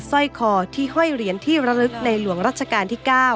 สร้อยคอที่ห้อยเหรียญที่ระลึกในหลวงรัชกาลที่๙